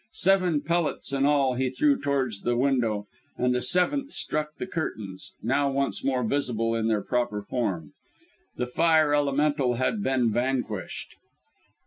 Seven pellets in all he threw towards the window and the seventh struck the curtains, now once more visible in their proper form. The Fire Elemental had been vanquished!